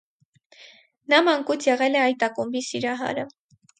Նա մանկուց եղել է այդ ակումբի սիրահարը։